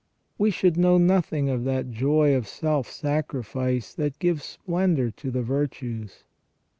We should know nothing of that joy of self sacrifice that gives splendour to the virtues.